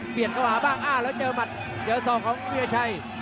เปลี่ยนขวาบ้างอ้าวแล้วเจอหมัดเจอส่องของวิลาชัย